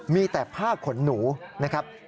มีแต่ผ้าขนหนูนะครับ